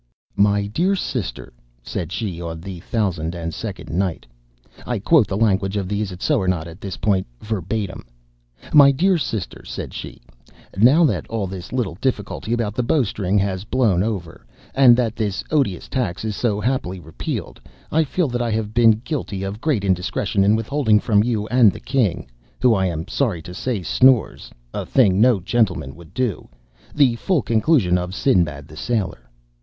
"My dear sister," said she, on the thousand and second night, (I quote the language of the "Isitsöornot" at this point, verbatim) "my dear sister," said she, "now that all this little difficulty about the bowstring has blown over, and that this odious tax is so happily repealed, I feel that I have been guilty of great indiscretion in withholding from you and the king (who I am sorry to say, snores—a thing no gentleman would do) the full conclusion of Sinbad the sailor.